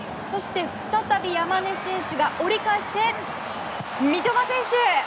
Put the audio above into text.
そして再び山根選手が折り返して三笘選手！